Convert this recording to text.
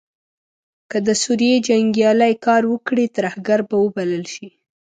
که د سوریې جنګیالې کار وکړي ترهګر به وبلل شي.